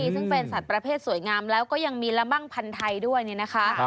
ซึ่งเป็นสัตว์ประเภทสวยงามแล้วก็ยังมีละมั่งพันธ์ไทยด้วยเนี่ยนะคะ